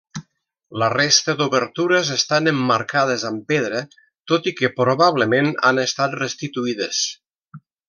La resta d'obertures estan emmarcades amb pedra, tot i que probablement han estat restituïdes.